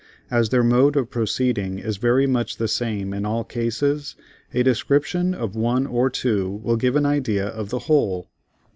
As their mode of proceeding is very much the same in all cases, a description of one or two will give an idea of the whole.